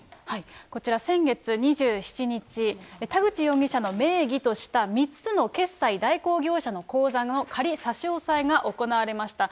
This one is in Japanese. こちら、先月２７日、田口容疑者の名義とした３つの決済代行業者の口座の仮差し押さえが行われました。